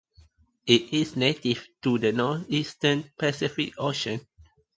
It is native to the northeastern Pacific Ocean.